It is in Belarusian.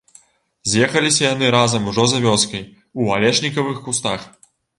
З'ехаліся яны разам ужо за вёскай, у алешнікавых кустах.